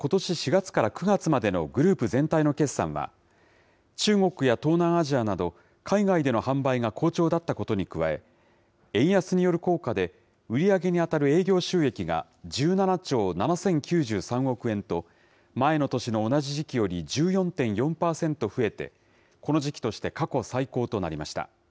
４月から９月までのグループ全体の決算は、中国や東南アジアなど海外での販売が好調だったことに加え、円安による効果で、売り上げに当たる営業収益が１７兆７０９３億円と、前の年の同じ時期より１４．４％増えて、この時期として過去最高となりました。